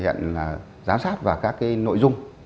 tăng cường thực hiện giám sát và các cái nội dung